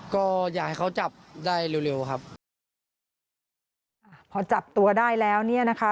ก็อยากให้เขาจับได้เร็วเร็วครับอ่าพอจับตัวได้แล้วเนี่ยนะคะ